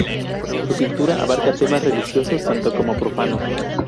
Su pintura abarca temas religiosos tanto como profanos.